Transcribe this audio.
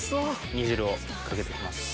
煮汁をかけていきます。